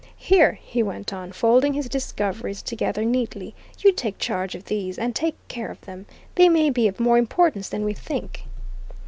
Here," he went on, folding his discoveries together neatly, "you take charge of these and take care of them. They may be of more importance than we think."